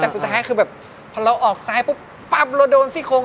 แต่สุดท้ายคือแบบพอเราออกซ้ายปุ๊บปั๊บเราโดนซี่โครง